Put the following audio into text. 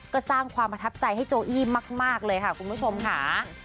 ก็สร้างความประทับใจให้โจอี้มากเลยค่ะคุณผู้ชมค่ะ